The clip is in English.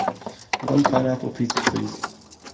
One Pineapple pizza please.